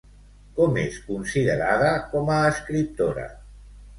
Com és considerada com a escriptora?